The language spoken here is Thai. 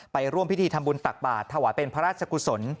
ร่วมพิธีทำบุญตักบาทถวายเป็นพระราชกุศล